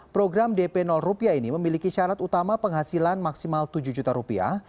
program dp rupiah ini memiliki syarat utama penghasilan maksimal tujuh juta rupiah